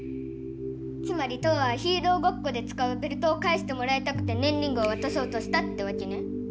つまりトアはヒーローごっこでつかうベルトをかえしてもらいたくてねんリングをわたそうとしたってわけね。